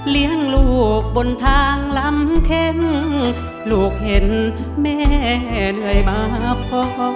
เลี้ยงลูกบนทางลำเข้งลูกเห็นแม่เหนื่อยมาพอ